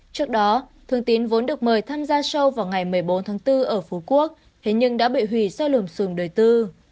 trước đó thương tín vốn được mời tham gia show vào ngày một mươi bốn bốn ở phú quốc thế nhưng đã bị hủy do lùm xùm đời tư